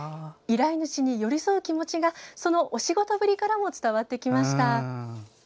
依頼主に寄り添う気持ちがそのお仕事ぶりからも伝わってきました。